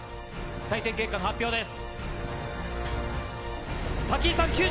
採点結果の発表です！